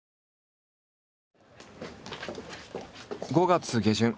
５月下旬。